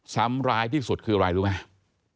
ซ้ำร้ายที่สุดคืออะไรรู้ไหม